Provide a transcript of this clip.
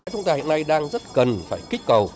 chúng ta hiện nay đang rất cần phải kích cầu